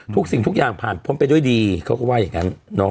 สิ่งทุกอย่างผ่านพ้นไปด้วยดีเขาก็ว่าอย่างนั้น